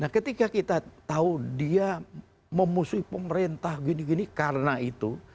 nah ketika kita tahu dia memusuhi pemerintah gini gini karena itu